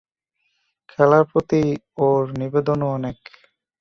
খেলার প্রতি ওর নিবেদনও অনেক।